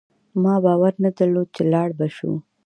ما باور نه درلود چي لاړ به شو